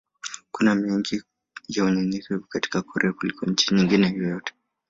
Kuna mengi ya unyenyekevu katika Korea kuliko nchi nyingine yoyote.